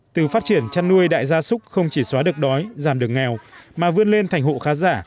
từ phát triển chăn nuôi đại gia súc không chỉ xóa được đói giảm được nghèo mà vươn lên thành hộ khá giả